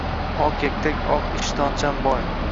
Oq yaktak oq ishtonchan boy